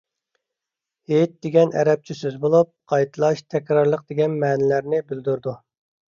«ھېيت» دېگەن ئەرەبچە سۆز بولۇپ، «قايتىلاش، تەكرارلىق» دېگەن مەنىلەرنى بىلدۈرىدۇ.